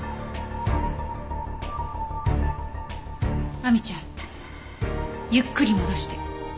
亜美ちゃんゆっくり戻して。